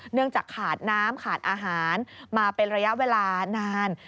เนื่องจากขาดน้ำขาดอาหารมาเป็นระยะเวลานาน